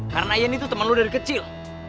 karena ian itu temen lu dari kecil